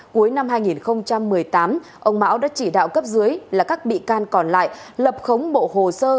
cuối năm hai nghìn một mươi tám ông mão đã chỉ đạo cấp dưới là các bị can còn lại lập khống bộ hồ sơ